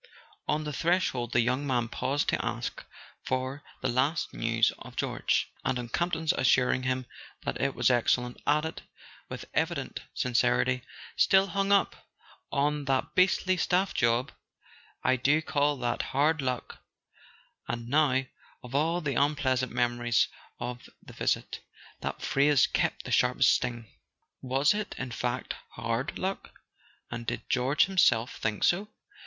On the threshold the young man paused to ask for the last news of George; and on Campton's assuring him that it was excellent, added, with evident sin¬ cerity: "Still hung up on that beastly staff job? I do call that hard luck " And now, of all the unpleasant memories of the visit, that phrase kept the sharpest sting. Was it in fact hard luck? And did George himself [ 132 ] A SON AT THE FRONT think so?